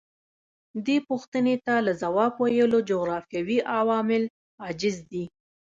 دې پوښتنې ته له ځواب ویلو جغرافیوي عوامل عاجز دي.